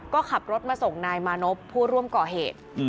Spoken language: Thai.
ก็ขับรถมาส่งนายมานพผู้ร่วมก่อเหตุ